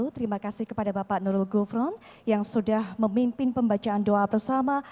terima kasih kepada bapak nurul gufron yang sudah memimpin pembacaan doa bersama